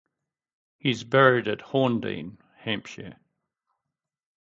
He is buried at Horndean, Hampshire.